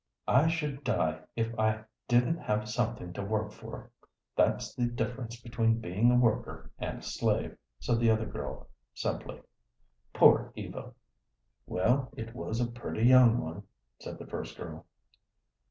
"I should die if I didn't have something to work for. That's the difference between being a worker and a slave," said the other girl, simply. "Poor Eva!" "Well, it was a pretty young one," said the first girl.